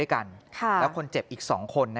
ยายถามนิ่งแต่เจ็บลึกถึงใจนะ